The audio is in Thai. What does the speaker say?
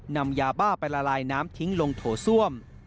นำยาบ้าไปละลายน้ำทิ้งลงโถส้วม